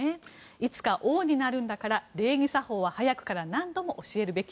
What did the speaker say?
いつか王になるんだから礼儀作法は早くから何度も教えるべき。